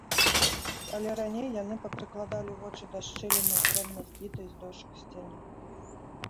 Але раней яны папрыкладалі вочы да шчылін у дрэнна збітай з дошак сцяне.